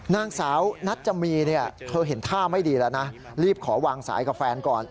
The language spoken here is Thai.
นางสาวนัจจมีเนี่ยเธอเห็นท่าไม่ดีแล้วนะรีบขอวางสายกับแฟนก่อน